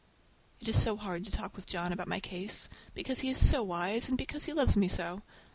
It is so hard to talk with John about my case, because he is so wise, and because he loves me so.